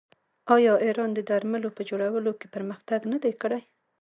آیا ایران د درملو په جوړولو کې پرمختګ نه دی کړی؟